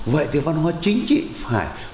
vậy thì văn hóa chính chỉ phải quan tâm đến con người